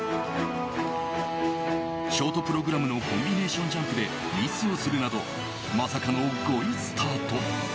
ショートプログラムのコンビネーションジャンプでミスをするなどまさかの５位スタート。